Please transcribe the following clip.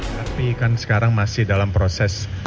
tapi kan sekarang masih dalam proses